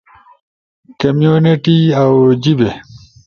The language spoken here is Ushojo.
کمیونٹی اؤ جیبے